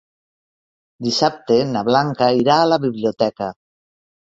Dissabte na Blanca irà a la biblioteca.